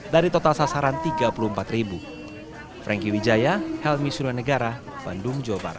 dari total sasaran tiga puluh empat ribu